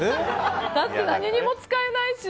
だって、何にも使えないし。